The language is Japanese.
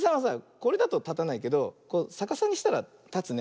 これだとたたないけどさかさにしたらたつね。